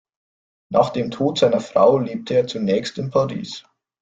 Nach dem Tod seiner Frau lebte er zunächst in Paris.